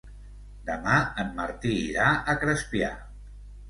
Demà en Martí irà a Crespià.